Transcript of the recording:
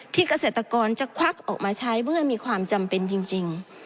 เกษตรกรจะควักออกมาใช้เมื่อมีความจำเป็นจริง